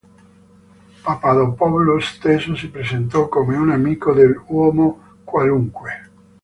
Papadopoulos stesso si presentò come un amico dell"'uomo qualunque".